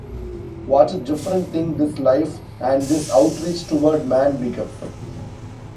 What a different thing this life and this outreach toward man becomes.